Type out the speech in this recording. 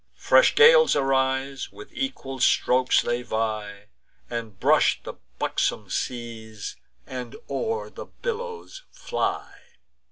Fresh gales arise; with equal strokes they vie, And brush the buxom seas, and o'er the billows fly.